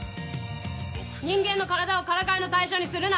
人間の体をからかいの対象にするな！